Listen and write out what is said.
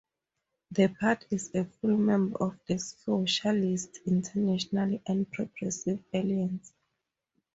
The party is a full member of the Socialist International and Progressive Alliance.